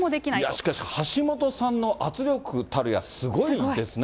しかし、橋下さんの圧力たるや、すごいですね。